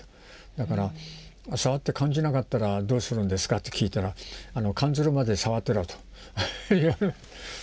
だから「触って感じなかったらどうするんですか？」と聞いたら「感ずるまで触ってろ」と言われ。